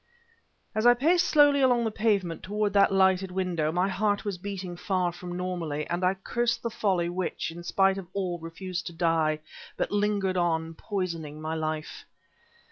As I paced slowly along the pavement toward that lighted window, my heart was beating far from normally, and I cursed the folly which, in spite of all, refused to die, but lingered on, poisoning my life.